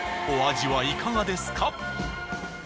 お味はいかがですか？